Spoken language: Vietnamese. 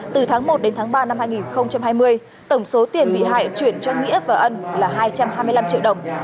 từ tháng một đến tháng ba năm hai nghìn hai mươi tổng số tiền bị hại chuyển cho nghĩa và ân là hai trăm hai mươi năm triệu đồng